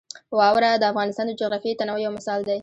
واوره د افغانستان د جغرافیوي تنوع یو مثال دی.